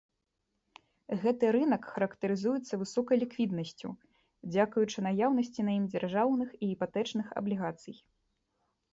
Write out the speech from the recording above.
Гэты рынак характарызуецца высокай ліквіднасцю дзякуючы наяўнасці на ім дзяржаўных і іпатэчных аблігацый.